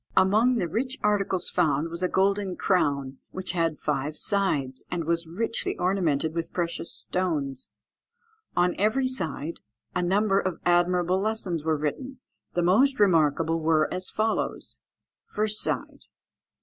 Among the rich articles found was a golden crown, which had five sides, and was richly ornamented with precious stones. On every side a number of admirable lessons were written. The most remarkable were as follows: _First side.